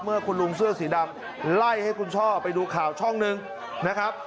เมื่อคุณลุงเสื้อสีดำไล่ให้คุณช่อไปดูข่าวช่องหนึ่งนะครับ